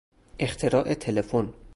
اختراع تلفن